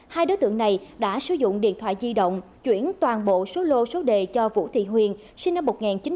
hai đối tượng này đã sử dụng điện thoại di động chuyển toàn bộ số lô số đề cho vũ thị huyền sinh năm một nghìn chín trăm bảy mươi một trú tại vườn quang vinh